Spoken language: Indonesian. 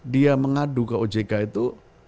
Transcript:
dia mengadu ke ojk itu